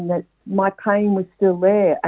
dan sakit saya masih ada